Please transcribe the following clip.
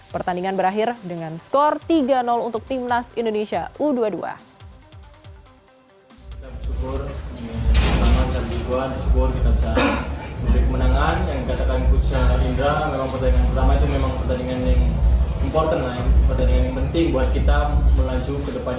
pertandingan berakhir dengan skor tiga untuk timnas indonesia u dua puluh dua